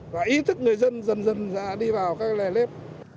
và ý thức người dân dần dần đi vào các lề lép